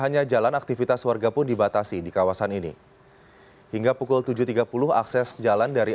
hanya jalan aktivitas warga pun dibatasi di kawasan ini hingga pukul tujuh tiga puluh akses jalan dari